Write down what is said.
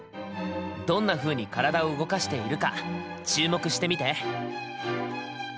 どんなふうに体を動かしているか注目してみて。